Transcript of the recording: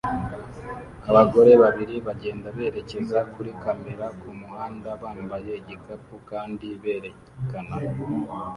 Abagore babiri bagenda berekeza kuri kamera kumuhanda bambaye igikapu kandi berekana